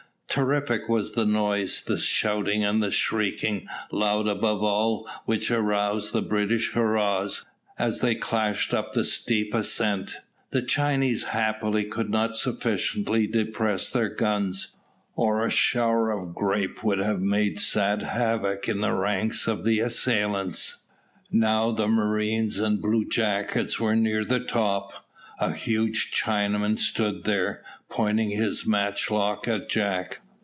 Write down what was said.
Terrific was the noise, the shouting and shrieking, loud above all which arose the British hurrahs, as they clashed up the steep ascent. The Chinese happily could not sufficiently depress their guns, or a shower of grape would have made sad havoc in the ranks of the assailants. Now the marines and bluejackets were near the top. A huge Chinaman stood there, pointing his matchlock at Jack.